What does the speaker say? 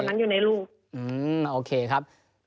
ไม่มีผู้หญิงคนนั้นอยู่ในรูป